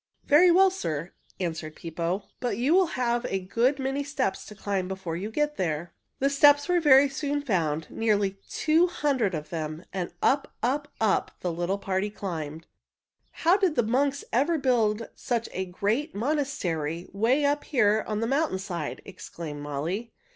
"Very well, sir," answered Pippo. "But you will have a good many steps to climb before you get up there." The steps were very soon found, nearly two hundred of them, and up, up, up the little party climbed. "How did the monks ever build such a great monastery 'way up here on the mountain side?" exclaimed Molly.